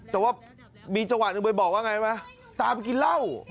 แต่ว่ามีจังหวะหนึ่งไปบอกว่าไงวะตามกินเหล้า